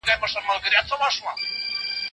ايا د ځواکونو ګټي تل يو د بل پر وړاندي نه وي؟